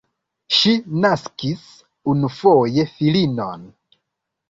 Ŝi naskis unufoje filinon.